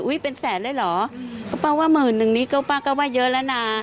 อุ๊ยเป็นแสนเลยหรอก็เปล่าว่าหมื่นนึงนี้ก็เยอะแล้วนะ